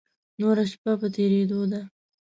نوره شپه په تېرېدو ده.